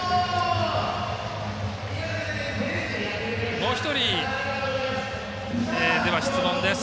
もう１人、質問です。